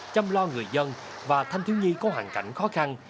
chăm lo người dân và thanh thiếu nhi có hoàn cảnh khó khăn